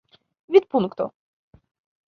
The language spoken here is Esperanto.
vidpunkto